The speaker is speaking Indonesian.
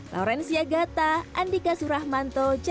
lauren siagata andika suramanto jakarta